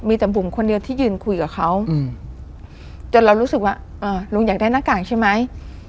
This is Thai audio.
มีแต่บุ๋มคนเดียวที่ยืนคุยกับเขาจนเรารู้สึกว่าลุงอยากได้หน้ากากใช่ไหม